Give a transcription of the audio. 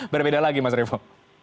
berbeda lagi mas revo